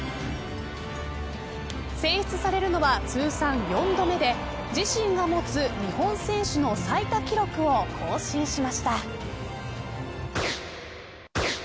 選出されるのは通算４度目で自身が持つ日本選手の最多記録を更新しました。